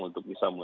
untuk bisa muncul